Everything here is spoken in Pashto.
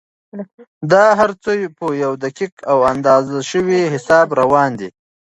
دا هر څه په یو دقیق او اندازه شوي حساب روان دي.